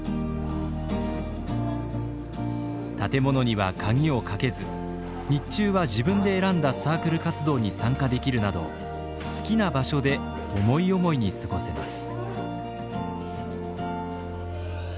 建物には鍵をかけず日中は自分で選んだサークル活動に参加できるなど好きな場所で思い思いに過ごせます。